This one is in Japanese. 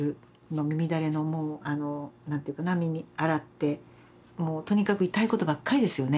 耳だれのもう何て言うかな耳洗ってもうとにかく痛いことばっかりですよね。